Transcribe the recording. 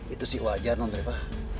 itu sih wajar nont reva